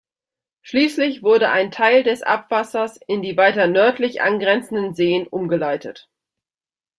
Schließlich wurde ein Teil des Abwassers in die weiter nördlich angrenzenden Seen umgeleitet.